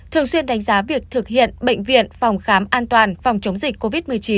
thường xuyên đánh giá việc thực hiện bệnh viện phòng khám an toàn phòng chống dịch covid một mươi chín